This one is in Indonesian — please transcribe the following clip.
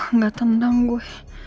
aduh nggak tenang gue